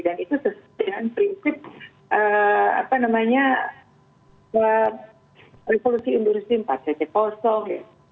dan itu sesuai dengan prinsip apa namanya revolusi revolusi empat cc kosong